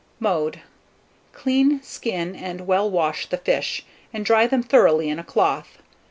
Mode. Clean, skin, and well wash the fish, and dry them thoroughly in a cloth.